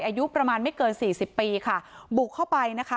อายุประมาณไม่เกินสี่สิบปีค่ะบุกเข้าไปนะคะ